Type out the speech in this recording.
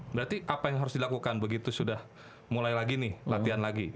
berarti apa yang harus dilakukan begitu sudah mulai lagi nih latihan lagi